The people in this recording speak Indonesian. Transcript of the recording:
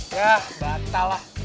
yah batal lah